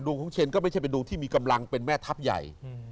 ของเชนก็ไม่ใช่เป็นดวงที่มีกำลังเป็นแม่ทัพใหญ่